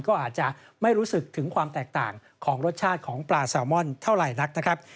ก็อาจจะไม่รู้สึกถึงความแตกต่างของรสชาติของปลาแซลมอนเท่าไหร่นักนะครับ